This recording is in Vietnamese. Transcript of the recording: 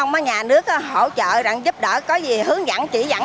bà con như dân thì vẫn